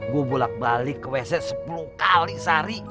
gue bulat balik ke wc sepuluh kali sehari